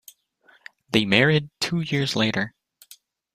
They married two years later.